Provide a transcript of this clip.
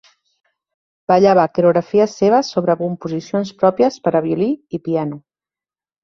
Ballava coreografies seves sobre composicions pròpies per a violí i piano.